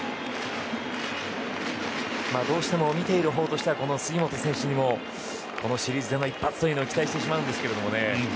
どうしても見ているほうとしては杉本選手にもこのシリーズでの一発を期待してしまうんですけどね。